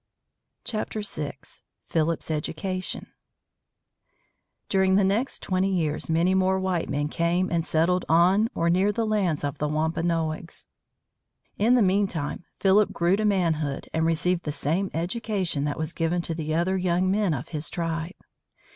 VI. PHILIP'S EDUCATION During the next twenty years many more white men came and settled on or near the lands of the Wampanoags. In the mean time, Philip grew to manhood and received the same education that was given to the other young men of his tribe.